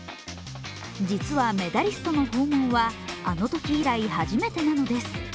実はメダリストの訪問はあのとき以来、初めてなのです。